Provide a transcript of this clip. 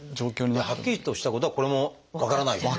じゃあはっきりとしたことはこれも分からないと。